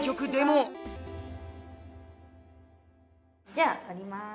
じゃあ取ります。